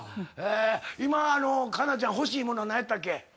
今佳奈ちゃん欲しいもの何やったっけ？